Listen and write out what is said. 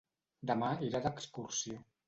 Demà irà d'excursió.